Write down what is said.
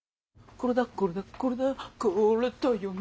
これだこれだこれだこれだよね。